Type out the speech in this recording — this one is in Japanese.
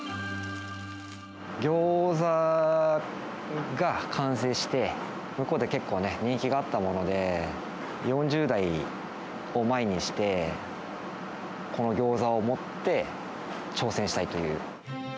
ギョーザが完成して、向こうで結構ね、人気があったもので、４０代を前にして、このギョーザを持って、挑戦したいという。